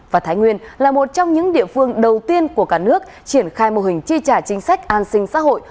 và thái nguyên là một trong những địa phương đầu tiên của cả nước triển khai mô hình chi trả chính sách an sinh xã hội